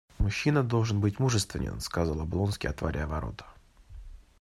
Мужчина должен быть мужествен, — сказал Облонский, отворяя ворота.